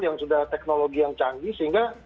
yang sudah teknologi yang canggih sehingga